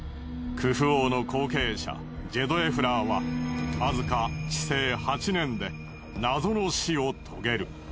クフ王の後継者ジェドエフラーはわずか治世８年で謎の死を遂げる。